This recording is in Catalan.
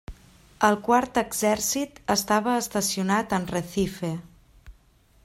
El Quart Exèrcit estava estacionat en Recife.